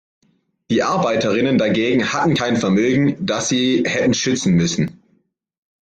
Die Arbeiterinnen dagegen hatten kein Vermögen, das sie hätten schützen müssen.